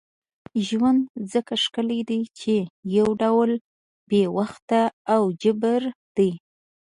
ژوند ځکه ښکلی دی چې یو ډول بې وخته او جبر دی.